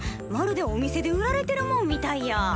まるでお店で売られてるもんみたいや。